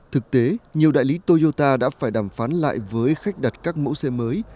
thực tế nhiều đại lý toyota đã phải đàm phán lại với khách đặt các mẫu xe mới